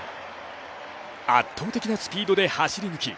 圧倒的なスピードで走り抜き